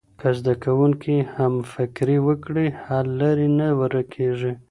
که زده کوونکي همفکري وکړي، حل لارې نه ورکېږي.